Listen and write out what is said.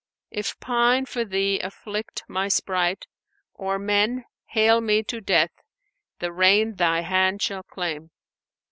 If pine for Thee afflict my sprite, or men * Hale me to death, the rein Thy hand shall claim!